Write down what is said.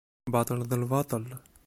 Baṭel d lbaṭel.